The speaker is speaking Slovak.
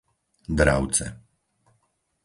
Dravce